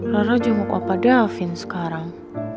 loro jenguk opah davin sekarang